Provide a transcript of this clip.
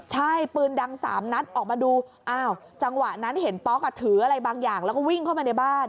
ใช่ปืนดังสามนัดออกมาดูอ้าวจังหวะนั้นเห็นป๊อกถืออะไรบางอย่างแล้วก็วิ่งเข้ามาในบ้าน